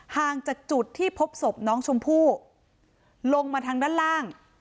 ห่างจากจุดที่พบศพน้องชมพู่ลงมาทางด้านล่าง